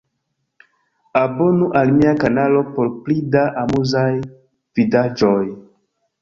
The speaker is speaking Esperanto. Abonu al mia kanalo por pli da amuzaj vidaĵoj